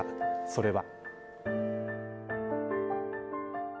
それは。